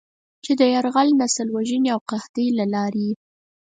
چې د "يرغل، نسل وژنې او قحطۍ" له لارې یې